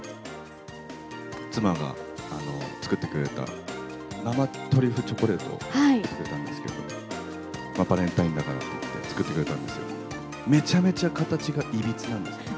妻が作ってくれた生トリュフチョコレート作ってくれたんですけど、バレンタインだからって作ってくれたんですけど、めちゃめちゃ形がいびつなんですね。